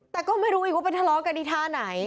แต่ก็ไม่รู้อีกว่าไปทะเลาะกันที่ท่าไหน